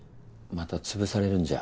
また潰されるんじゃ？